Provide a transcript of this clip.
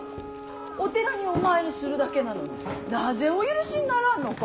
お寺にお参りするだけなのになぜお許しにならんのか。